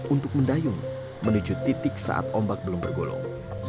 untuk mendayung menuju titik saat ombak belum bergulung